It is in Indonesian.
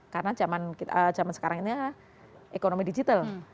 karena zaman sekarang ini ekonomi digital